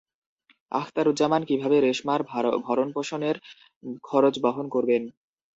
আখতারুজ্জামান কিভাবে রেশমার ভরণপোষণের খরচ বহন করবেন?